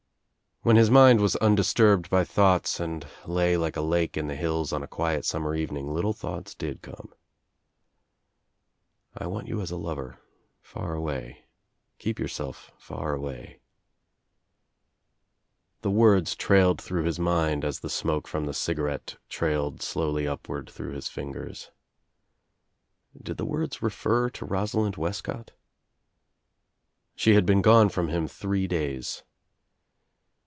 When his mind was undisturbed by thoughts and lay like a lake in the hills on a quiet summer evening little thoughts did come. "I want you as a lover — far away. Keep yourself far away." The words trailed through his mind as the smoke from the cigarette trailed slowly upwards through his fingers. Did the words refer to Rosalind Wescott? She had been gone from him three days.